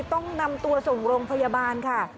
ต้องนำตัวส่งโรงพยาบาลค่ะ